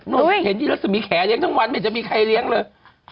เห็นที่รัศมีแขเลี้ยทั้งวันไม่จะมีใครเลี้ยงเลย